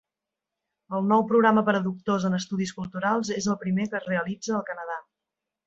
El nou programa per a doctors en estudis culturals és el primer que es realitza al Canadà.